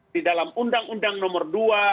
di dalam undang undang nomor dua